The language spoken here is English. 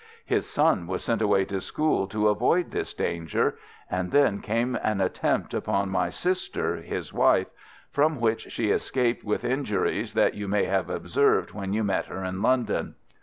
His son was sent away to school to avoid this danger, and then came an attempt upon my sister, his wife, from which she escaped with injuries that you may have observed when you met her in London.